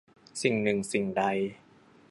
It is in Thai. สิ่งหนึ่งสิ่งใด